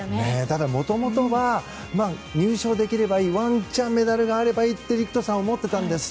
ただ、もともとは入賞できればいいワンチャンメダルがあればいいと陸斗さん、思ってたんです。